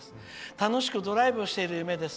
楽しくドライブしている夢です。